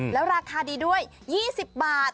แล้วราคาดีด้วย๒๐บาท